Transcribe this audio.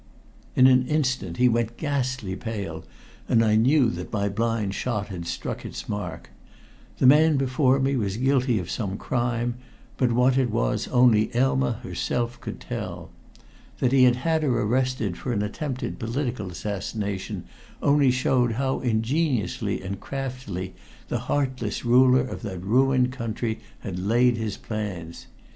In an instant he went ghastly pale, and I knew that my blind shot had struck its mark. The man before me was guilty of some crime, but what it was only Elma herself could tell. That he had had her arrested for an attempted political assassination only showed how ingeniously and craftily the heartless ruler of that ruined country had laid his plans.